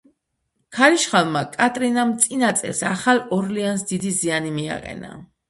ქარიშხალმა „კატრინამ“ წინა წელს ახალ ორლეანს დიდი ზიანი მიაყენა.